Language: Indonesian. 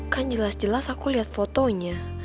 kan jelas jelas aku lihat fotonya